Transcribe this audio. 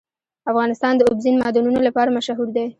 افغانستان د اوبزین معدنونه لپاره مشهور دی.